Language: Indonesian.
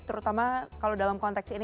terutama kalau dalam konteks ini